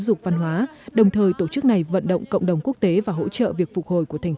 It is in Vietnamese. dục văn hóa đồng thời tổ chức này vận động cộng đồng quốc tế và hỗ trợ việc phục hồi của thành